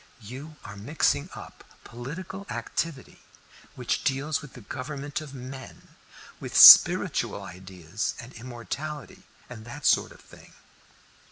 You are mixing up political activity, which deals with the government of men, with spiritual ideas and immortality, and that sort of thing."